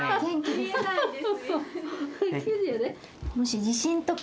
見えないです。